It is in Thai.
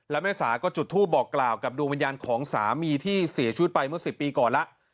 แล้วแม่สาก็จุดทูปบอกกล่าวกับดวงวิญญาณของสามีที่เสียชีวิตไปเมื่อ๑๐ปีก่อนแล้ว